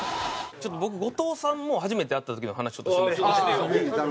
ちょっと僕後藤さんも初めて会った時の話ちょっとしてもいいですか？